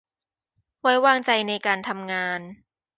ไว้วางใจในการทำงาน